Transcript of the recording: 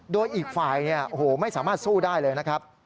โดยอีกฝ่ายไม่สามารถสู้ได้เลยนะครับ